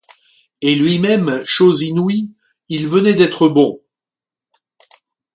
Et lui-même, chose inouïe, il venait d'être bon.